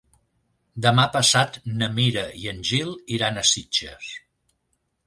Demà passat na Mira i en Gil iran a Sitges.